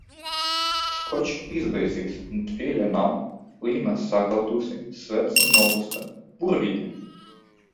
Skočs izbeidzies, dvieļa nav, līme sakaltusi, svece nopūsta. Burvīgi!